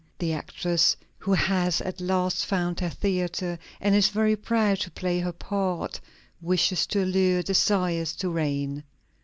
The actress who has at last found her theatre and is very proud to play her part, wishes to allure, desires to reign.